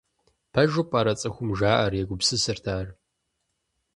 - Пэжу пӀэрэ цӀыхум жаӀэр? - егупсысырт ар.